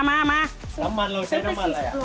น้ำมันเราใช้น้ำมันอะไร